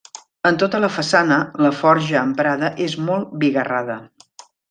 En tota la façana, la forja emprada és molt bigarrada.